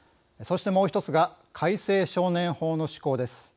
そしてもう１つが改正少年法の施行です。